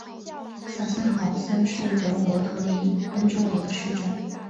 萨森豪森是德国图林根州的一个市镇。